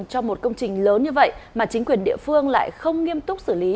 cho một công trình lớn như vậy mà chính quyền địa phương lại không nghiêm túc xử lý